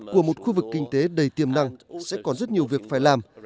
của một khu vực kinh tế đầy tiềm năng sẽ còn rất nhiều việc phải làm